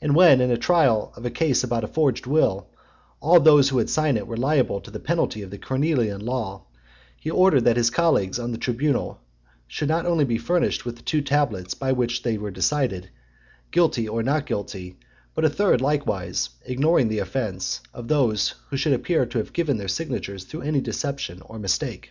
And when, in a trial of a cause about a forged will, all those who had signed it were liable to the penalty of the Cornelian law, he ordered that his colleagues on the tribunal should not only be furnished with the two tablets by which they decided, "guilty or not guilty," but with a third likewise, ignoring the offence of those who should appear to have given their signatures through any deception or mistake.